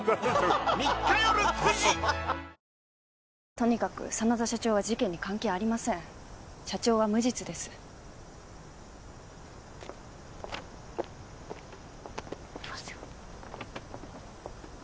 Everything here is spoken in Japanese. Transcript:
とにかく真田社長は事件に関係ありません社長は無実です行きますよ